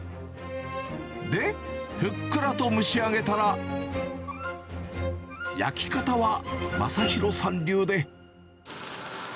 で、ふっくらと蒸し上げたら、焼き方はまさひろさん流で。